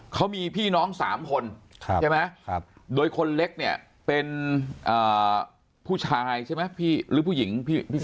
เขามีพี่น้องสามคนโดยคนเล็กเป็นผู้ชายหรือผู้หญิง